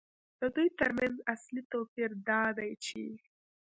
د دوی ترمنځ اصلي توپیر دا دی چې